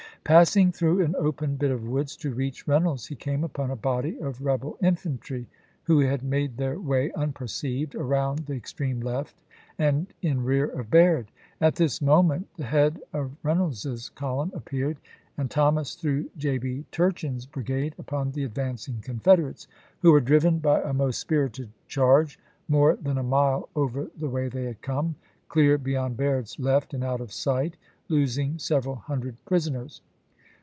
Passing through an open bit of woods to reach Reynolds he came upon a body of rebel infantry, who had made their way, unperceived, around the extreme left and in rear of Baird. At this moment the head of Reynolds's column appeared, and Thomas threw J. B. Turchin's brigade upon the advancing Confederates, who were driven by a most spirited charge more than a mile over the way they had come, clear beyond Baird's left and out of sight, losing several hundred prison ers.